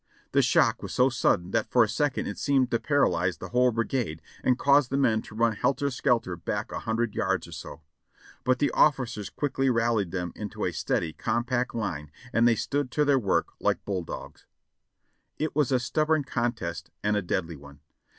The shock was so sudden that for a second it seemed to paralyze the whole brigade and cause the men to run helter skelter back a hundred yards or so ; but the officers quickly rallied them into a steady, compact line, and they stood to their work like bulldogs. It was a stubborn contest and a deadly one.